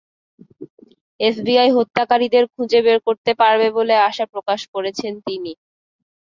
FBI হত্যাকারীদের খুঁজে বের করতে পারবে বলে আশা প্রকাশ করেছেন তিনি।